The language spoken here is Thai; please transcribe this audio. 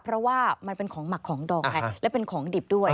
เพราะว่ามันเป็นของหมักของดองไงและเป็นของดิบด้วย